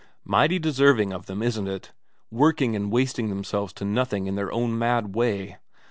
Mighty deserving of them, isn't it, working and wasting themselves to nothing in their own mad way.